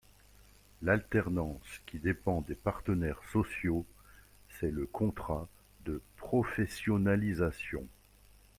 L’alternance qui dépend des partenaires sociaux, c’est le contrat de professionnalisation.